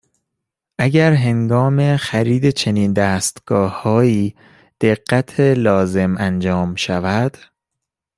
اگر هنگام خرید چنین دستگاههایی، دقّت لازم انجام شود